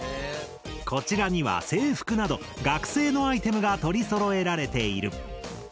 こちらには制服など学生のアイテムが取りそろえられている。